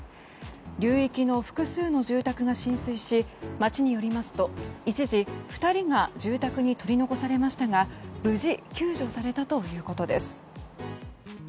流域の複数の住宅が浸水し町によりますと一時、２人が住宅に取り残されましたが無事救助されたということです。